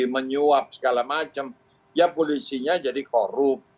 menyuap segala macam ya polisinya jadi korup